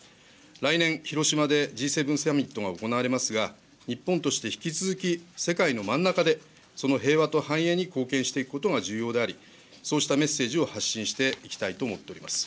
来年、広島でＧ７サミットが行われますが、日本として引き続き世界の真ん中で、その平和と繁栄に貢献していくことが重要であり、そうしたメッセージを発信していきたいと思っております。